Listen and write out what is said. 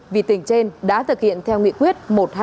vì tỉnh trên đã thực hiện theo nghị quyết một trăm hai mươi